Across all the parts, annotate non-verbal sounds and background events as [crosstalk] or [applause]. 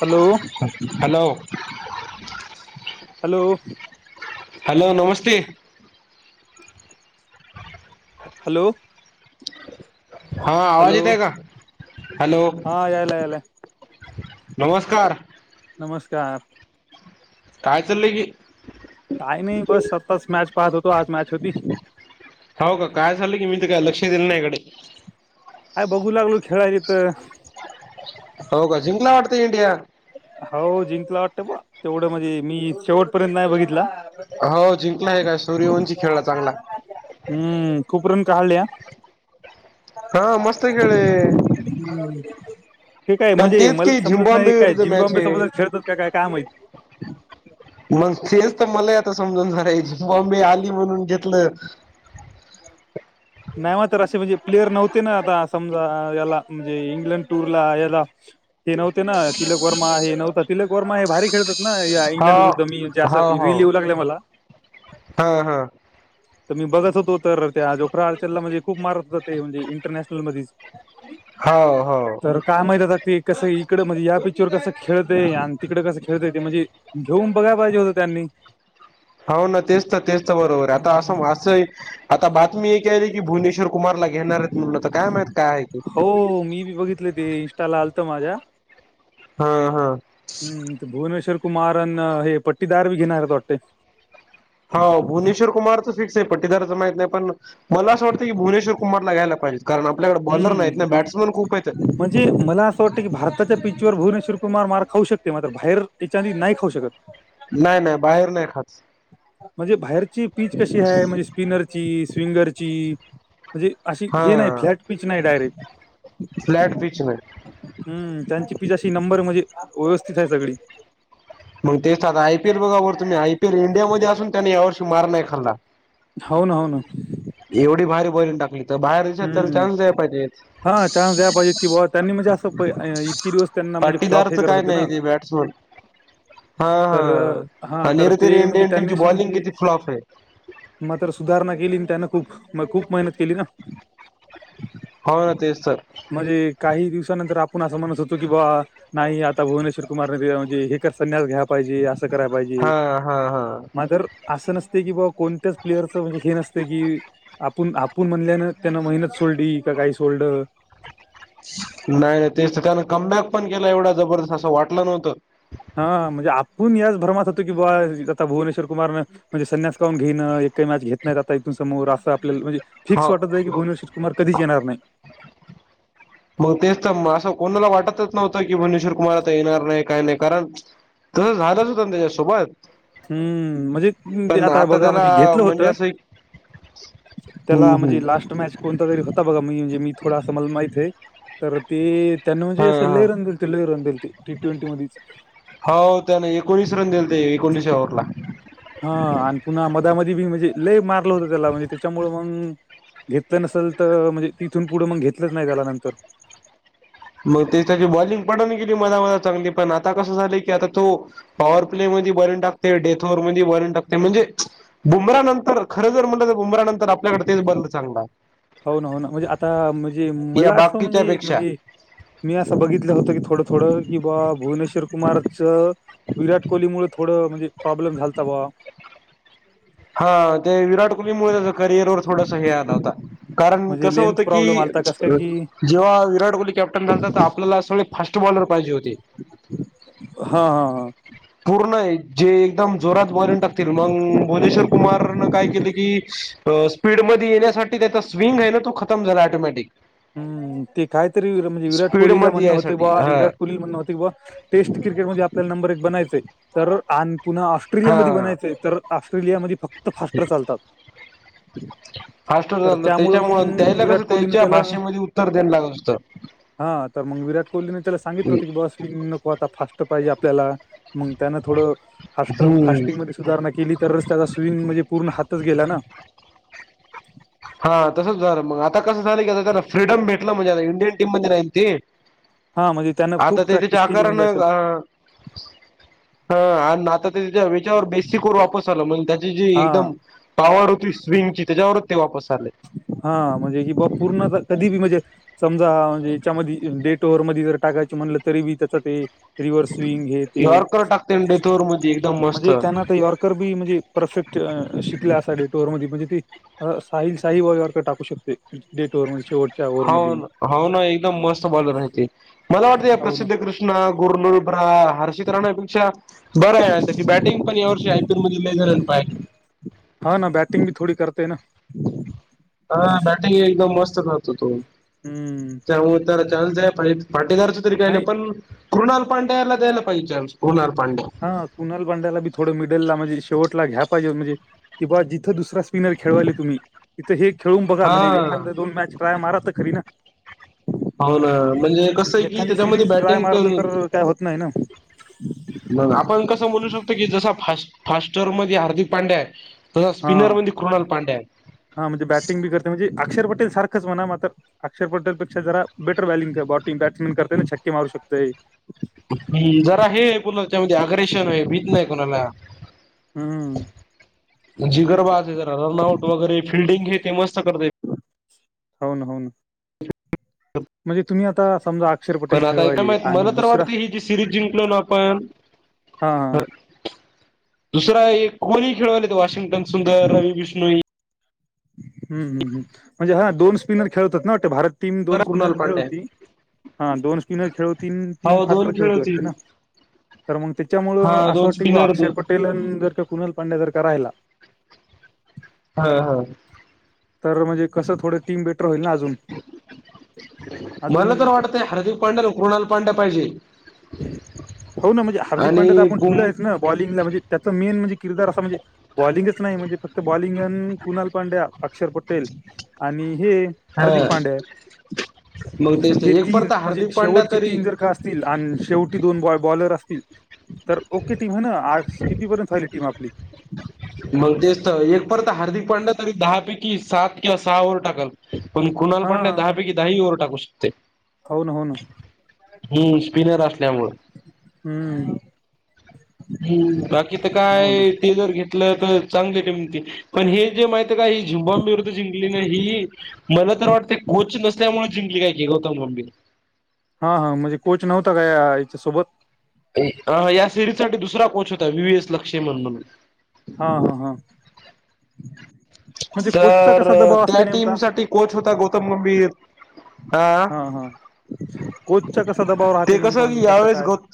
Hello hello hello hello नमस्ते hello हां आवांज हॅलो येतंय कां? हॅलो हा यायला यायलाय नमस्कांर नमस्कांर कायं चालतं की कांहीं नाहीं बसं आत्ताचं मॅच पाहतं होतो. आंज मॅच होती हो कायं? झालं की मी ते कायं लंक्ष येईल नां इकडे. आंय बघूं लागलं खेळांयली तरं हो कां? जिंकला वाटतंय इंडिया हो जिंकला वाटतं बं तेवढं म्हणजे मी शेवट पर्यंत नाहीं बघितला. हो जिंकला आहे कायं सूर्यवंची खेळंला चांगला. हम्मं खूंप रनं काळयां हा मस्त [unintelligible] खेळले ठी कायं? पण म्हणजे तेच मलां की समजतं नाहीं झिम्बाब्वे कां विरुद्ध मॅच जिम्बाबे आहे सोडतं खेळतांत कायं कायं? माहित नाहीं मंग तेचं तरं मलांही आंता समजूंन जायची झिबॉम्बे आलीं. म्हणूंन घेतलं नाहीं मं तरं म्हणजे प्लेयर नां आंता समजां यांला म्हणजे इंग्लंड टूंरला यांला हे नव्हते नां तिलक वर्मा हे नव्हतां तिलक वर्मा हे भारी खेळतांत. नां यां हा इंग्लंड विरुद्धं मीजे असं हो हो रिली येऊं लागलं मलां हा तरं मी बघतं होतो. तरं त्यांजो.. अडचंला म्हणजे खूंप मारतं जाते. म्हणजे इंटरनॅशनल मधेचं हा हो हो तरं कायं? माहित आंता. गते ते कसं इकडं म्हणजे यां पिचं वरं कसं खेळतं आहे आणि तिकडं कं खेळतंय ते म्हणजे खेळूंऊन बघांय पायजे होतं त्यांनी हो ना तेच तर तेच तर बरोबर आहे. आता असं असंय आता बातमी एक आहेली की भुवनेश्वर कुमारला घेणार आहेत म्हणं तर काय माईत काय आह ते. हो मी बी बघितले ते इंस्टा ला आलतं माझ्या हां हां. हम्म, ते भुवनेश्वर कुमार अन हे पट्टीदार बी घेणार आहेत वाडतं. हा हो भुवनेश्वर कुमार तर फिक्स आहे. पटीदारचं माहित नाही, पण म अस वाटतं की भुनेश्वर कुमारला घ्यायला पाहिजे. कारण आपल्याकडे बॉलर नाहीत हम्म ना, बॅट्समन खूप आहेत. म्हणजे मला असं वाटतं की भारताच्या पिच वर भुवनेश्वर कुमार मार खाऊ शकते, मात्र बाहेर याच्यांनी नाही खाऊ शकत. नाय नाय बाहेर नाय खात. म्हणजे बाहेरची पीच कशी हाय, म्हणजे स्पिनरची स्विंगरची म्हणजे अशी, हे नाही हा फ्लॅट पीच नाही डायरेक्ट. फ्लॅट पिच नाही हम्म, त्यांची पिच आशी नंबर म्हणजे, व्यवस्थित हाय सगळी. मग तेच आता आयपीएल बघा बर तुम्ही आयपीएल इंडियामध्ये असून त्यांन या वर्षी मार नाही खाल्ला. हो ना हो ना. एवढी भारी बोलीन टाकली. तर बाहेर देशात तला हम्म चान्स द्याय पाहिजेत. हा चान्स द्या पाहिजेत की बाबा त्यांनी म्हणजे असं प- अं, इतकी दिवस त्यांना म्हणजे फ्लॉप हे पाटीदारचं करत काय होते नाही ना ते बॅट्समन हा तर अं, हा, तर आणिरकरी ते म्हणजे इंडियन त्यांनी टीमची असे बॉलिंग म्हणजे किती फ्लॉफ आहे. मात्र सुधारणा केली त्यांनं खूप,, म खूप मेहनत केली ना. हो ना तेच तर. म्हणजे काही दिवसानंतर आपण असं म्हणत होतो की ब्वा नाही आता भुवनेश्वर कुमारने दि म्हजे हे संन्यास घ्या पाहिजे अस स करायला पायजे, हा हा हा मातर असं नसतय की बा कोणत्याच प्लेअरचं म्हणजे हे नसतय की,, आपण आपण म्हणल्यानं त्यांन मेहनत सोडली,, का काही सोडलं. नाही नाही तेच त्यानं कमबॅक पण केलाय एवढा जबरदस्त,, असं वाटलं नव्हतं हा, म्हणजे आपण याच भ्रमात होतो की बा आता भुवनेश्वर कुमारनं म्हणजे संन्यास काऊन घेणं, एकही मॅच घेत नाहीत आता इथून समोर असं आपल्याला म्हणजे हो फिक्स वाटत आहे की भुवनेश् कुमार कधी येणार नाही. मग तेच तर, असं कोणाला वाटतच नव्हतं की भनेश्वर कुमार आता येणार नाही काय नाही, कारण तसं झालंच होतं ना त्याच्यासोबत. हम्म, म्हणजे तेनं पण आता बघा म्हणजे त्याला घेतलं म्हणजे होतं असं एक हम्म त्याला म्हणजे हम्म लास्ट मॅच कोणता तरी होता बघा, मी म्हणजे मी थोडा आसा मला माहितय तर ते त्यानं हा म्हणजे असं लई रन दिलते लई रन दिलते टी ट्वेंटी मध्यीच हो त्याने एकोणीस रन दिलते. कोहली च्या ओव्हर ला. हा, आणि पुन्हा मधामध्येध बी म्हणजे लय मारलं होतं त्याला म्हणजे,, त्याच्यामूळं मंग घेतलं नसेल तर, म्हणजे तिथून पुढं मग घेतलंच नाही त्याला नंतर. मग ते त्याची बॉलिंग पडून गेली मधा मधा चांगली, पण आता कसं झालंय की आता तो पॉवर प्ले मध्ये बॉलिंग टाकते डेथोर मध्ये बॉलिंग टाकते म्हंजे बुमरा नंतर,, खरं जर म्हटलं बुमरानंतर आपल्याकडे तेच बांदा चांगला हाय. हो ना हो ना म्हणजे आता म्हणजे या मला असं बाकीच्या म्हणजे पेक्षा म्हणजे मी असं बघितलं होतं की थोडं थोडं की बा भुवनेश्वर कुमारचं विराट कोहलीमुळे थोडं म्हणजे प्रॉब्लेम झालता बुवा, हा ते विराट कोहलीमुळे त्याच करिअर वर थोडासा हे आला होता. कारण म्हणजे कसं लेंथ होतं की प्रॉब्लेम आलता कस काय अं.. की जेव्हा विराट कोहली कॅप्टन झालत तर आपल्याला सगळे फास्ट बॉलर पाहिजे होते. हा हा हा पूर्ण आहे जे एकदम जोरात बॉलिंग टाकतील मग भुवनेश्वर कुमार न काय केलं की, स्पीडमध्येध्ये येण्यासाठी त्याचा स्विंग आहे ना तो खतम झाला ऑटोमॅटिक. हम्म ते कायतरी म्हणजे विराट कोहलीला स्पीडमध्ये म्हणणं होते यायसाठी बा हा विराट कोहलीला म्हणं होतते बुवा, टेस्ट क्रिकेट मध्ये आपल्याला नंबर एक बनायचय तर आणि पुन्हा ऑस्ट्रेलियामध्ये बनाय हा तर ऑस्ट्रेलियामध्ये फक्त फास्ट चालतात. फास्टर तर झालं त्यामुळं त्याच्यामुळं मग त्याला कसं विराट कोहलीने त्याच्या त्याला, भाषेमध्ये उत्तर द्यायला लागत होतं. हा तर मग विराट कोहलीने त्याला सांगितलं होत की, बस स्विंग नको आता फास्ट पाहिजे आपल्याला. मग त्याना थोडं फास्टर हम्म फास्टिंग मध्ये सुधारणा केली तरच त्याचा स्विंग म्हणजे पुर्ण हातच गेला ना. हा तसंच झालं मग, आता कसं झालं की आता त्याला फ्रीडम भेटला म्हणजे इंडियन टीम मध्ये राहील ते. हा, म्हणजे त्यानं आता खूप ते प्रॅक्टिस त्याच्या केली म्हणजे असं आकारानं अ हा आणि आता त्याच्या ह्याच्यावर बेसिकवर वापस आला म्हण त्या जी जी हा एकदम पॉवर होती स्विंगची, त्यांच्यावरच ते वापस आले. हा. म्हणजे हि बा पूर्ण कधी बी म्हणजे समजा म्हणजे याच्यामध्ये डेट ओव्हर मध्ये जर टाकायचे, म्हणलं तरी बी त्याचा ते रिव्हर्स येते, यॉर्कर टाकते डेथवर मध्ये एकदम मस्त म्हणजे त्यानं हा आता यार्क तर बी म्हणजे परफेक्ट शिकला असा डेट ओव्हर मधील. म्हणजे असं साईज काही वेळेवरती टाकू शकते, डेट ओव्हर म्हणजे शेवट हो ना, हो ना एकदम मस्त बॉलर आहे ते. मला वाटतें या हो ना. प्रसिद्ध कृष्णा गुरलू बुमरा हर्षित राण्यापेक्षा बरं आहे आणि त्याची बॅटिंग पण यावर्षी आयपीएल लई जनांनी पाहिली. हा ना बॅटिंग बी थोडी करतंय ना. हा, बॅटिंग एकदम मस्त करतो तो. हम्म. हो मुळे त्याला चान्स द्यायला पाहिजे. पाटेकरच तरी काही नाही पण कृणाल पांड्याला दिला पाहिजे चान्स, कृणाल पांडया. हा कुणाल पांड्याला बी थोडं मिडलला म्हणजे, शेवटला घ्यायला पाहिजे म्हणजे कि बुआ जिथं दुसरा स्पिनर खळवायले तुम्ही तिथं हे खेळून बघा. म्हणजे हा एखांदा दोन मॅच ट्राय मारा तर खरी ना. हाव न म्हणजे कसं आहे की एखादी त्याच्यामध्ये सिरीज ट्राय बॅटिंग मारलं तर, पण काय होत नाही ना. मग आपण बोलू शकतो की, जसा फा फास्टर मध्ये हार्दिक पांड्या आहे तसा हा स्पिनर मध्ये कृणाल पांड्या आहे. हा म्हणजे बॅटिंग बी करते म्हणजे, अक्षर पटेल सारखंच म्हणा मात्र अक्षर पटेल पेक्षा जरा बेटर बॅलिंग बॉटिंग बॅट्समॅन करते ना, छक्के मारू शकतय. हम्, जरा हे बोलो त्याच्यामध्ये अग्रेशन आहे, भीत नाही कोणाला. हम्म जीगरबाज आहे जरा, रन आउट वगैरे फिल्डिंग हे ते मस्त करतंय. हो ना, हो ना. म्हणजे, तुम्ही आता समजा अक्षर पटेल पण आता काय खेळवायले माहित मला आणि तर दुसरा वाटते ही जी सिरीज जिंकलो ना आपण हा. दुसरा एक कोणी खेळवालेत वॉशिंग्टन सुंदर, रवि विष्णू हम्म हम्म हम्म म्हणजे हा, दोन स्पिनर खेळवतात ना वाटते भारत टीम दोन स्पिनर कृणाल पांड्या खेळवती. हां दोन स्पिनर खेळवतील, तीन हो फास्टर दोन खेळ खेळवतील वाटते होतील ना. तर मंग त्यांच्यामुळे हा असं दोन वाटतं की, बा स्पिनर अक्षर दोन पटेल अन जर का कुनाल पांड्या जर का राहिला हो हो. तर म्हणजे कसं, थोड टीम बेटर होईल ना अजून. मला अजून तर वाटतंय हर्दीक पांड्या आणि कुणाल पांड्या पाहिजे. हो ना म्हणजे हार्दिक पांड्या तर आणि आपण बुम ठेवलायच हा बॉलिंगला म्हणजे, त्याच मेन म्हणजे किरदार अस म्हणजे बॉलिंगच नाय म्हणजे फक्त बॉलिंग अन कुणाल पांड्या, अक्षर पटेल आणि हे हा हार्दिक पांड्या आहे. मग तेच ते हे एक तीन परता म्हणजे हार्दिक पांड्या शेवटचे तरी तीन जर का अस तील आणि शेवटी दोन बॉ बॉलर असतील तर ओके टीम आहे ना. आठ कितीपर्यंत झाली टीम आपली. मग तेच तर एक परत हार्दिक पांड्या तरी दहा पैकी सात किंवा सहा ओव्हर टाकलं. पण कुणाल हा पांड्या दहा पैकी दहा ही ओव्हर टाकू शकतोय. हाव ना हाव ना स्पिनर असल्यामुळे. हम्म. हम्म बाकी तर हो ना काय ते जर घेतलं तर चांगली टीम येते. पण हे जे माहिती आहे काय ही झिम्बाब्वे विरुद्ध जिंकली ना ही मला तर वाटते कोच नसल्यामुळे जिंकली काय की गौतम गंभीर हा हा म्हणजे कोच नव्हता का या याच्यासोबत या सिरीज साठी दुसरा कोच होता वी वी एस लक्ष्मण म्हणून हा हा हा. म्हणजे कोचचा तर कसा दबाव त्या असते टीम नेमका साठी कोच होता गौतम गंभीर. हा हा कोचचा कसा दबाव राहते ते नेमकं म्हणजे कसं यावेेळेस काय गौ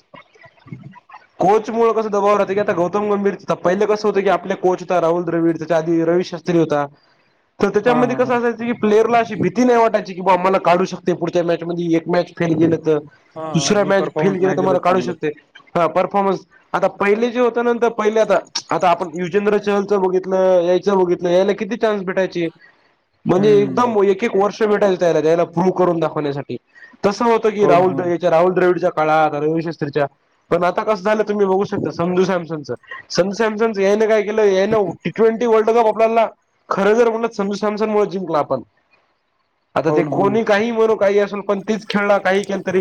कोच मूळ कसं दबाव राहते की आता गौतम गंभीर पहिले कस होत की आपले कोच होता राहुल द्रविड त्याच्या आधी रवी शास्त स्त्री होता, तर हा त्याच्यामध्ये हा कस हा असायचं की प्लेअरला अशी भीती नाही वाटायची की बाबा आम्हाला काढू शकते पुढच्या मॅच मधी एक मॅच फेल गेलं तर हा हा दुसरा मी मॅच फेल परफॉर्मन्स गेलं नाही तर दिलं मला काढू चांगलं शकते हा परफॉर्मन्स आता पहिले जे होत नंतर पहिले आता, आता आपण युजेंद्र चहलचं बघितलं यायच बघितलं याला किती चान्स भेटायचे म्हणजे हम्म एकदम एक एक एक वर्ष भेटायचं त्याला त्याला प्रूव्ह करून दाखवण्यासाठी तसं होतं की हो ना राहुल हो द्र ना हेच्या राहुल द्रविडचा काळात रविशास्त्रीच्या पण आता कस झालं तुम्ही बघू शकता संजू सॅमंसंगच संजू सॅमसंग ह्याने काय केल ह्यानं टी ट्वेंटी वल्ड कप आपल्याला खरं जर म्हणटलं संजू सॅमसन मूळ जिंकला आपण आता हो ते ना हो ना कोणी काही म्हणू काही असेल पण तीच खेळला काही केलं तरी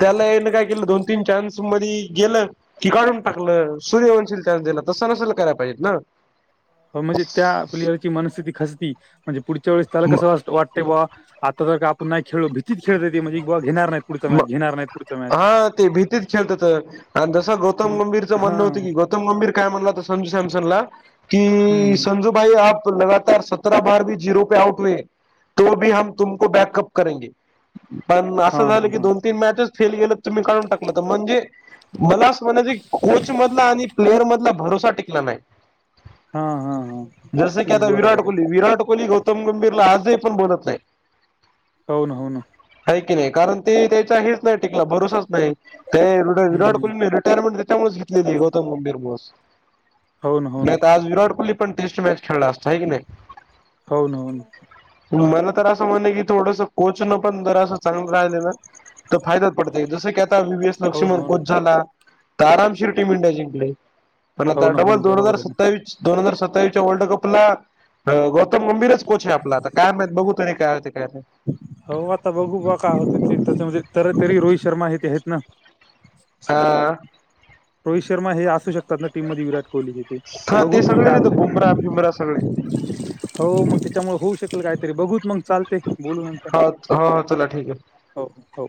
त्याला ह्यानं काय केलं दोन तीन चान्स मध्ये गेलं की काढून टाकलं सूर्यवंशील चान्स दिला तसं नसेल कराय पाहिजेत ना म्हणजे त्या प्लेयरची मनस्थिती खसती म्हणजे पुढच्या वेळेस त्याला कसं वा वाटते बुवा आ आता जर का आपण मॅच खेळलो भीतीच खेळत ते म्हणजे बाबा घेणार नाही पुढ म मॅच घेणार नाही पुढं मॅ हा ते भीतीत खेळतात आणि जसं गौतम मग गंभीरचं हा म्हणणं होत की गौ तम गंभीर काय म्हणला तो संजू सॅमसनला की हम्म सं भाई आप लगातार सतरा बार भी झिरो पे आउट हूए तो भी हम तुमको बॅकअप करेगे. पण हम् हा असं झालं हा की हा दोन तीन मॅचेस फेल गेले तुम्ही काढून टाकलं तर म्हणजे मला असं म्हणायचं कोचमधला आणि प्लेअर मधला भरोसा टिकला नाही. हा हा हा जस की ते आता विराट बरोबर आहे कोहली. विराट कोहली गौत उत्तम गंभीरला आजही कोण बोलत नाही. होन हो ना. हय की नाही, कारण ते त्या्यचा हेच नाही टिकला भरोसाच नाही, काय विराट हम्म कोहलीने रिटायरमेंट त्याच्यामुळेच घेतलेली गौतम गंभीर मुळं. हो ना हो ना नाही तर आज विराट कोहली पण टेस्ट मॅच खेळला असता, हय की नाही. हो ना हो ना मला तर असं म्हणणं की थोडसं कोचनं पण जर असं चांगलं राहिलं ना तर फायद्यात पडतय, जसं की आता वएस हो ना लक्ष्मण हो ना कोच झाला तर आरामशीर टीम इंडिया जिंकले, पण आता हो ना हो डबल ना दोन हजार बरोबर आहे ना सत्तावीस दोन हजार सत्तावीसच्या वर्ल्ड कप ला गौतम गंभीरच कोच आहे आपला, आता काय माईत बघू तरी काय होते काय नाही. हो आता बघू बा काय होत ते, त्याच्यामध्ये तरतरी रोहित शर्मा हे ते हैत ना. हां रोहित शर्मा हे असू शकतात ना टीम मध्ये विराट कोहली जिथे, हा, ते बघूत मग सगळेच काय येतं होतं बुमरा ते. फिमरा सगळे हो मग त्याच्यामुळे होऊ शकेल काहीतरी, बघू मग चालते बोलू नंतर. हो चला ठीकय. हो हो.